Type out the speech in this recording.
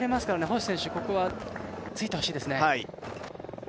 星選手、ここはついてほしいですね